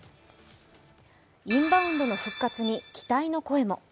インバウンドの復活に期待の声も。